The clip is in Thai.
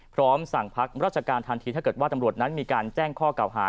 พร้อมสั่งพักราชการทันทีถ้าเกิดว่าตำรวจนั้นมีการแจ้งข้อเก่าหา